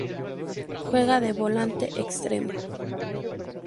Juega de Volante Extremo.